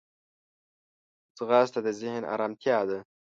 ځغاسته د ذهن ارمتیا ده